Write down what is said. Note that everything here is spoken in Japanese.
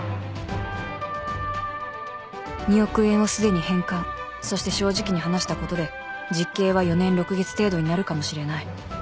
２億円をすでに返還そして正直に話したことで実刑は４年６月程度になるかもしれない